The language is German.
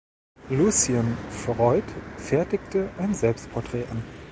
Lucian Freud fertigte ein Selbstporträt an.